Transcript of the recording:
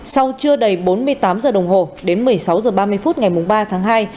sau trưa đầy bốn mươi tám giờ đồng hồ đến một mươi sáu h ba mươi phút ngày ba hai